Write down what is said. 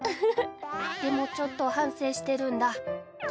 でもちょっと反省してるんだ。